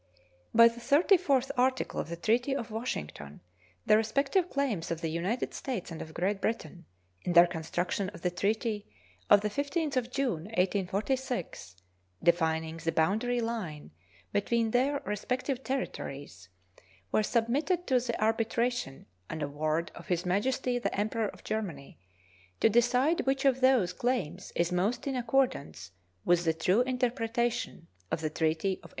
By the thirty fourth article of the treaty of Washington the respective claims of the United States and of Great Britain in their construction of the treaty of the 15th of June, 1846, defining the boundary line between their respective territories, were submitted to the arbitration and award of His Majesty the Emperor of Germany, to decide which of those claims is most in accordance with the true interpretation of the treaty of 1846.